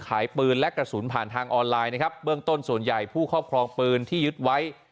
ขายปืนและกระสุนผ่านทางออนไลน์นะครับเบื้องต้นส่วนใหญ่ผู้ครอบครองปืนที่ยึดไว้